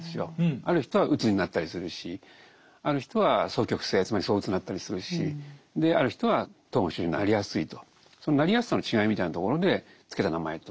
ある人はうつになったりするしある人は双極性つまりそううつになったりするしである人は統合失調症になりやすいとそのなりやすさの違いみたいなところで付けた名前と。